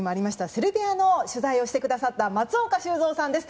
セルビアの取材をしてくださった松岡修造さんです。